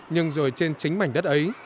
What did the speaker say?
nhưng rồi trên chính mảnh đất ấy